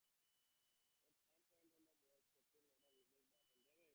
At some point on the voyage Captain Laughton replaced Briton as master.